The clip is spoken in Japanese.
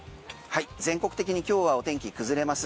全国的に今日はお天気崩れます。